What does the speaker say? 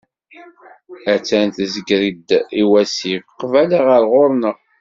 Attan tezger-d i wasif, qbala ɣer ɣur-neɣ.